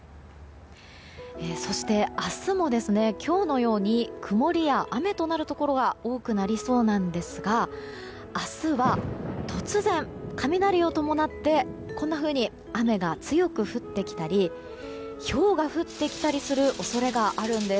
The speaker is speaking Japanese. そして明日も、今日のように曇りや雨となるところが多くなりそうですが明日は、突然雷を伴って雨が強く降ってきたりひょうが降ってきたりする恐れがあるんです。